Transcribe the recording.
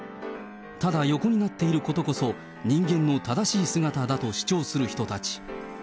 ただ横になっていることこそ、人間の正しい姿だと主張する人たち。